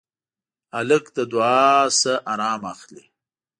هلک له دعا نه ارام اخلي.